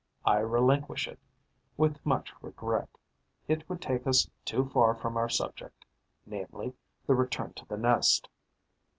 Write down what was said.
I relinquish it, with much regret: it would take us too far from our subject, namely, the return to the nest.